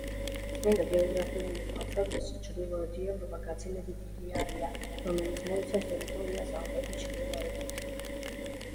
წმინდა გეოგრაფიული თვალსაზრისით, ჩრდილოეთი ევროპა გაცილებით დიდი არეა, რომელიც მოიცავს ტერიტორიას ალპების ჩრდილოეთით.